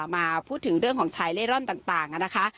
มาพูดถึงเรื่องของชายเล่ร่อนต่างนะคะ